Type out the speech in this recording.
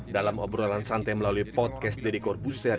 dalam obrolan santai melalui podcast deddy korbuster